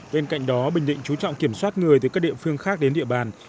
bên cạnh đó bình định chú trọng kiểm soát người từ các địa phương khác đến địa bàn